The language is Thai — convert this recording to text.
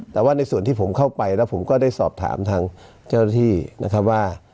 แต่ว่าในส่วนที่ผมเข้าไปแล้วผมก็ได้สอบถามทางเจ้าหน้าที่นะครับว่า